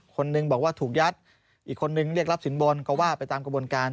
คนหนึ่งบอกว่าถูกยัดอีกคนนึงเรียกรับสินบนก็ว่าไปตามกระบวนการ